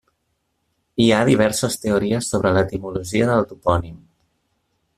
Hi ha diverses teories sobre l'etimologia del topònim.